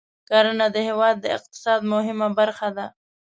کرنه د هېواد د اقتصاد مهمه برخه ده.